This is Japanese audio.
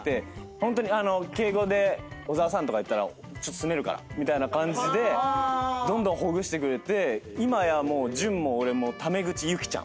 ホントに敬語で小澤さんとか言ったらすねるからみたいな感じでどんどんほぐしてくれて今やもう淳も俺も。